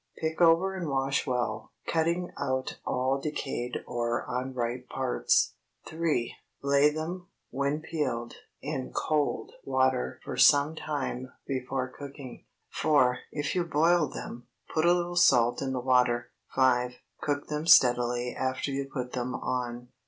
Pick over and wash well, cutting out all decayed or unripe parts. 3. Lay them, when peeled, in cold water for some time before cooking. 4. If you boil them, put a little salt in the water. 5. Cook them steadily after you put them on.